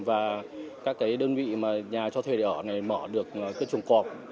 và các đơn vị nhà cho thuê để ở này mở được cơ trùng cọp